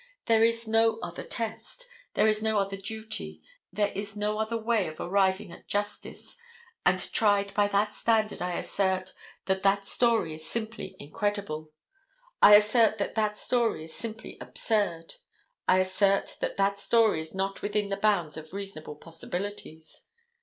There is no other test; there is no other duty; there is no other way of arriving at justice, and tried by that standard I assert that that story is simply incredible. I assert that that story is simply absurd. I assert that that story is not within the bounds of reasonable possibilities.